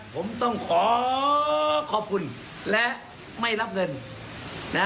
ผมต้องขอขอบคุณและไม่รับเงินนะ